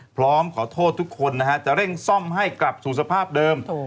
พร้อมขอโทษทุกคนนะฮะจะเร่งซ่อมให้กลับสู่สภาพเดิม